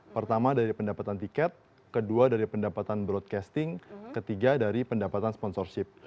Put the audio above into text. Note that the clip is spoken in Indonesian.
pertama dari pendapatan tiket kedua dari pendapatan broadcasting ketiga dari pendapatan sponsorship